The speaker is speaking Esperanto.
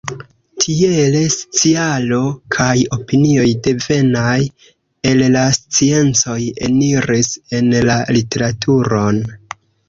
Tiele sciaro kaj opinioj devenaj el la sciencoj eniris en la literaturon.